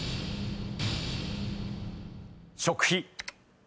食費。